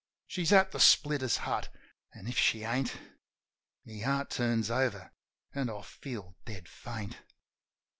She's at the splitter's hut; an' if she ain't ..." My heart turns over, an' I feel dead faint.